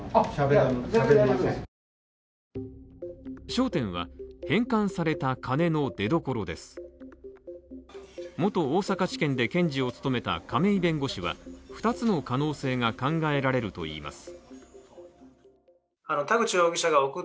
焦点は、返還された金の出所です元大阪地検で検事を務めた亀井弁護士は二つの可能性が考えられるといいます。